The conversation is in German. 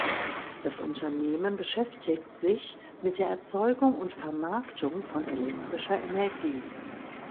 Das Unternehmen beschäftigt sich mit der Erzeugung und Vermarktung von elektrischer Energie.